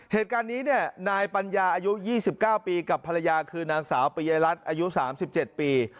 เหตุการณ์นี้เนี่ยนายปัญญาอายุ๒๙ปีกับภรรยาคือนางสาวปริยรัฐอายุ๓๗ปี